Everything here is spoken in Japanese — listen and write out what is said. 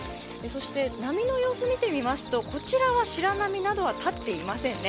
波の様子を見てみますと、こちらは白波などは立っていませんね。